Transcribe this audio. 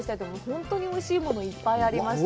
本当においしいものがいっぱいありました。